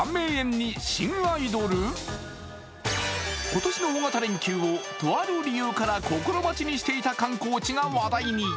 今年の大型連休をとある理由から心待ちにしていた観光地が話題に。